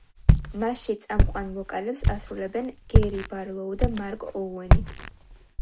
მასში წამყვან ვოკალებს ასრულებენ გერი ბარლოუ და მარკ ოუენი.